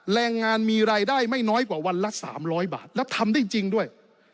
แรงงานมีรายได้ไม่น้อยกว่าวันละ๓๐๐บาทแล้วทำได้จริงด้วย